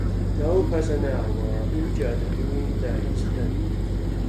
No personnel were injured during the incident.